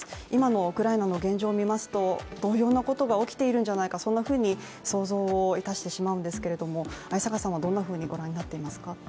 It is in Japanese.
今のウクライナの現状を見ますと同様のことが起きているのではないか、そんなふうに想像をいたしてしまうんですけれども、逢坂さんはどんなふうに御覧になっていますか。